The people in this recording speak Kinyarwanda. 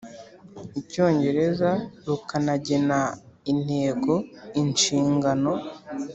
Icyongereza rukanagena intego inshingano